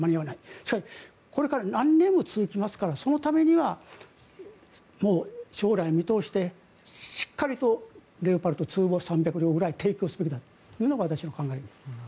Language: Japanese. しかしこれから何年も続きますからそのためにはもう将来を見通してしっかりとレオパルト２を３００両くらい提供すべきだというのが私の考えです。